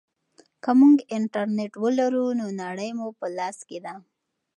که موږ انټرنیټ ولرو نو نړۍ مو په لاس کې ده.